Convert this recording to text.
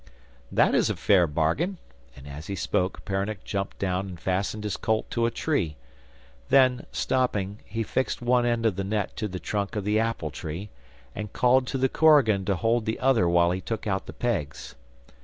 'That is a fair bargain,' and as he spoke Peronnik jumped down and fastened his colt to a tree; then, stopping, he fixed one end of the net to the trunk of the apple tree, and called to the korigan to hold the other while he took out the pegs.